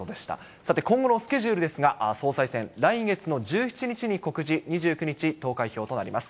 さて、今後のスケジュールですが、総裁選、来月の１７日に告示、２９日投開票となります。